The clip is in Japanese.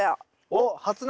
おっ初苗。